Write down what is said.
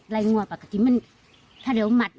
แล้วแหงวะประกอบนั้นถ้าแค่เดี๋ยวมัดหลุด